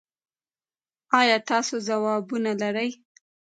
ایا تاسو ځوابونه لرئ؟